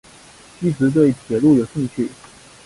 一直对铁路有兴趣。